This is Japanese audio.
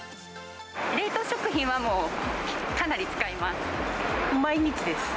冷凍食品はもう、かなり使い毎日です。